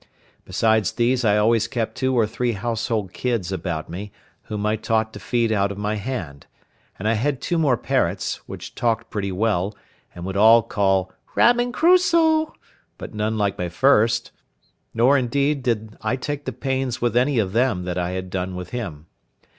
Besides these I always kept two or three household kids about me, whom I taught to feed out of my hand; and I had two more parrots, which talked pretty well, and would all call "Robin Crusoe," but none like my first; nor, indeed, did I take the pains with any of them that I had done with him.